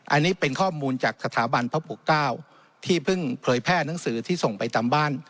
อันนี้เป็นข้อมูลจากสถาบันพระปกเก้าที่เพิ่งเผยแพร่หนังสือที่ส่งไปตามบ้าน